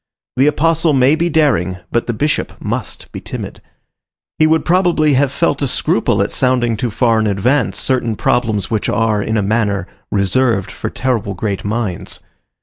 The apostle may be daring, but the bishop must be timid. He would probably have felt a scruple at sounding too far in advance certain problems which are, in a manner, reserved for terrible great minds.